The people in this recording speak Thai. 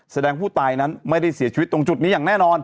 แสดงผู้ตายนั้นไม่ได้เสียชีวิตตรงจุดนี้อย่างแน่นอน